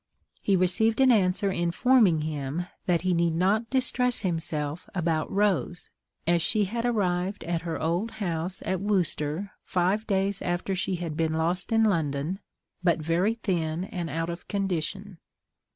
He received an answer informing him that he need not distress himself about "Rose," as she had arrived at her old house at Worcester five days after she had been lost in London, but very thin and out of condition.